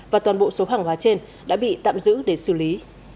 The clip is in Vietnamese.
và toàn bộ số hàng hóa trên đã bị tạm giữ để xử lý